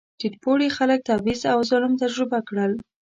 ټیټ پوړي خلک تبعیض او ظلم تجربه کړل.